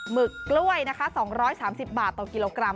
หึกกล้วยนะคะ๒๓๐บาทต่อกิโลกรัม